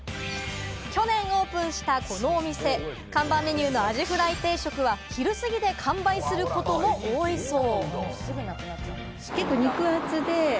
去年オープンしたこのお店、看板メニューのアジフライ定食は昼過ぎで完売することも多いそう。